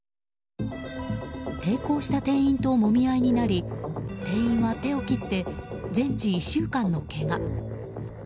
抵抗した店員ともみ合いになり店員は手を切って全治１週間のけが。